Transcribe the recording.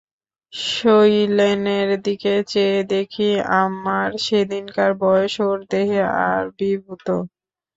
শৈলেনের দিকে চেয়ে দেখি, আমার সেদিনকার বয়স ওর দেহে আবির্ভূত।